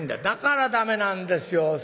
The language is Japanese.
「だから駄目なんですよ。